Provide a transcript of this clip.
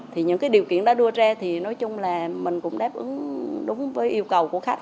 thì những cái điều kiện đó đưa ra thì nói chung là mình cũng đáp ứng đúng với yêu cầu của khách